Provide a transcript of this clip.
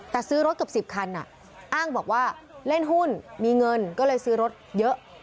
แต่ซื้อรถเกือบ๑๐คันอ้างบอกว่าเล่นหุ้นมีเงินก็เลยซื้อรถเยอะ